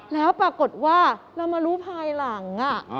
แล้วปรากฏว่าเรามารู้ภายหลัง